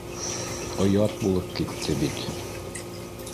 Оят булып китте бит